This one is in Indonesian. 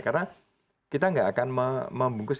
karena kita tidak akan membungkus